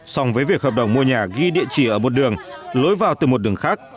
song với việc hợp đồng mua nhà ghi địa chỉ ở một đường lối vào từ một đường khác